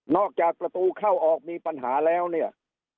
จากประตูเข้าออกมีปัญหาแล้วเนี่ย